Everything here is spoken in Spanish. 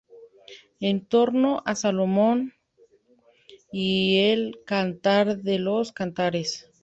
En torno a Salomón y el Cantar de los cantares.